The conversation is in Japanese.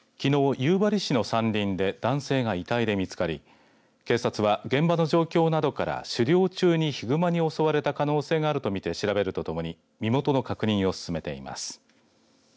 夕張市の山林で男性が遺体で見つかり警察は、現場の状況などから狩猟中にヒグマに襲われた可能性があるとみて調べるとともに身元の確認を進めています。